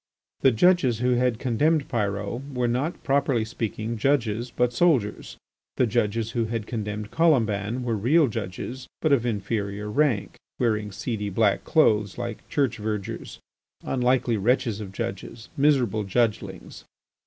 The judges who had condemned Pyrot were not, properly speaking, judges but soldiers. The judges who had condemned Colomban were real judges, but of inferior rank, wearing seedy black clothes like church vergers, unlucky wretches of judges, miserable judgelings.